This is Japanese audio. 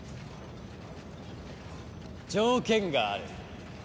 条件がある。